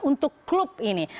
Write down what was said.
untuk klub ini